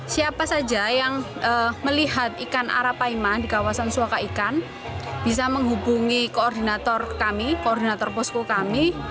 siapa saja yang melihat ikan arapaima di kawasan suaka ikan bisa menghubungi koordinator kami koordinator posko kami